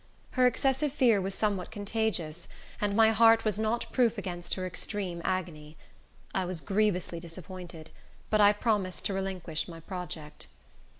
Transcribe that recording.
Her excessive fear was somewhat contagious, and my heart was not proof against her extreme agony. I was grievously disappointed, but I promised to relinquish my project.